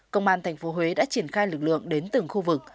công an tp huế đã triển khai lực lượng đến từng khu vực